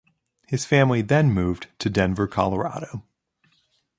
His family then moved to Denver, Colorado.